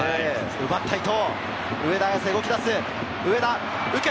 奪った伊東。